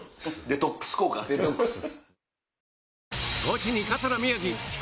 デトックスです。